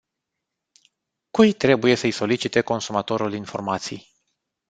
Cui trebuie să-i solicite consumatorul informații?